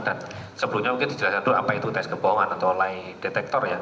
sebelumnya mungkin dijelaskan dulu apa itu tes kebohongan atau lie detector ya